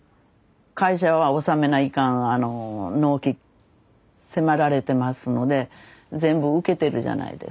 会社は納めないかん納期迫られてますので全部受けてるじゃないですか。